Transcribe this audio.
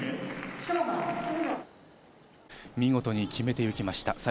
見事に決めていきました。